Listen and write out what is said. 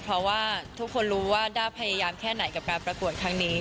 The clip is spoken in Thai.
เพราะว่าทุกคนรู้ว่าด้าพยายามแค่ไหนกับการประกวดครั้งนี้